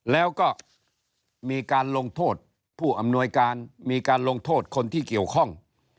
แล้วก็มีการลงโทษผู้อำนวยการมีการลงโทษคนที่เกี่ยวข้อง